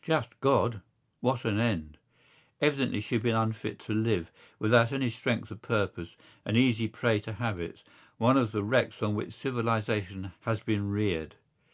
Just God, what an end! Evidently she had been unfit to live, without any strength of purpose, an easy prey to habits, one of the wrecks on which civilisation has been reared.